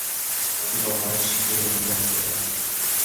او واقعا شیفتهی آن زن شده است.